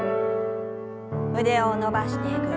腕を伸ばしてぐるっと。